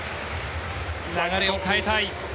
流れを変えたい。